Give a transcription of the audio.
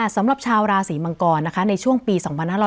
สำหรับชาวราศีมังกรในช่วงปี๒๕๕๙